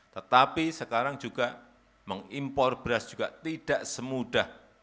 tetapi sekarang juga mengimpor beras juga tidak semudah